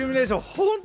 本当